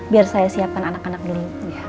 biar saya siapkan anak anak beli